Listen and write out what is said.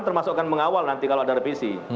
termasuk akan mengawal nanti kalau ada revisi